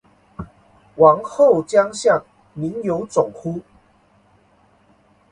王侯将相，宁有种乎